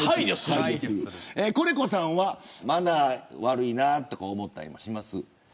コレコさんはマナー悪いなとか思ったりしますか。